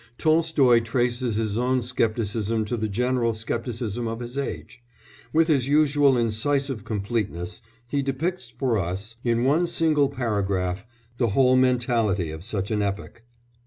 Tolstoy traces his own scepticism to the general scepticism of his age; with his usual incisive completeness he depicts for us, in one single paragraph, the whole mentality of such an epoch.